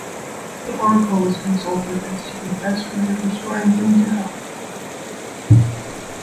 The oracle was consulted as to the best way of restoring him to health.